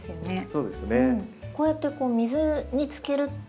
そうですね。